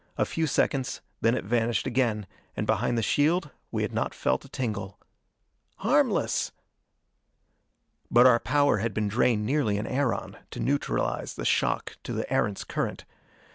A few seconds, then it vanished again, and behind the shield we had not felt a tingle. "Harmless!" But our power had been drained nearly an aeron, to neutralize the shock to the Erentz current.